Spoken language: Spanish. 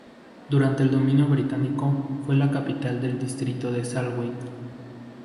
Durante el dominio británico, fue la capital del distrito del Salween.